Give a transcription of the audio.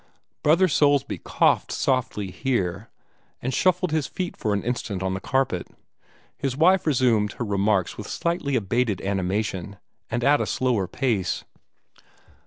Brother Soulsby coughed softly here, and shuffled his feet for an instant on the carpet. His wife resumed her remarks with slightly abated animation, and at a slower pace.